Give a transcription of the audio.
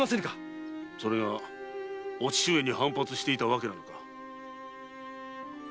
それがお父上に反発していた訳なのか？